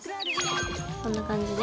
こんな感じで？